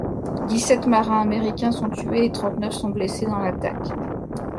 Dix-sept marins américains sont tués et trente-neuf sont blessés dans l'attaque.